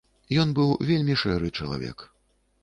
Ён быў вельмі шэры чалавек.